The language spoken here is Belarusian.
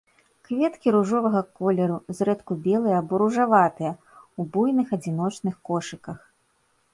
Кветкі ружовага колеру, зрэдку белыя або ружаватыя, у буйных адзіночных кошыках.